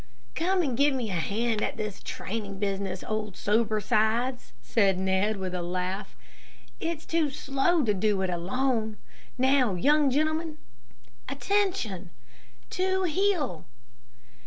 "Come and give me a hand at this training business, old Sobersides," said Ned, with a laugh. "It's too slow to do it alone. Now, young gentlemen, attention! To heel!"